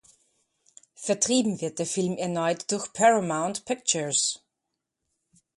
Vertrieben wird der Film erneut durch Paramount Pictures.